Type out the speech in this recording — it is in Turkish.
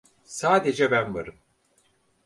Sadece ben varım.